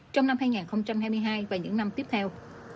trong năm hai nghìn hai mươi hai và những năm tiếp theo